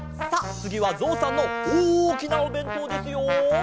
つぎはぞうさんのおおきなおべんとうですよ。